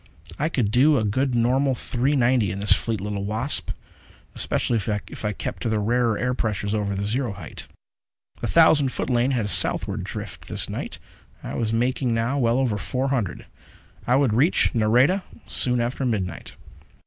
I could do a good normal three ninety in this fleet little Wasp, especially if I kept in the rarer air pressures over the zero height. The thousand foot lane had a southward drift, this night. I was making now well over four hundred; I would reach Nareda soon after midnight.